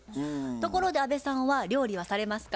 ところで安部さんは料理はされますか？